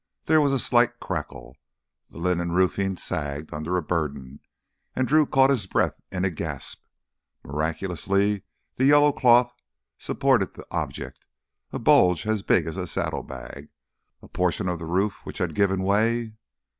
There was a slight crackle. The linen roofing sagged under a burden, and Drew caught his breath in a gasp. Miraculously the yellow cloth supported the object—a bulge as big as a saddlebag. A portion of the roof which had given way?